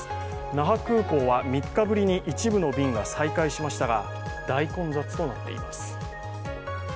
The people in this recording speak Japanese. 那覇空港は３日ぶりに一部の便が再開しましたが大混雑となっています。